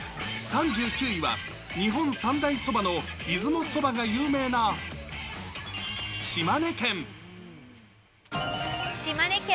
３９位は、日本三大そばの出雲そばが有名な、島根県。